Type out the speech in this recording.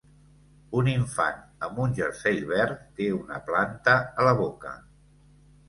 Un infant amb un jersei verd té una planta a la boca.